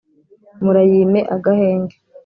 murayime agahenge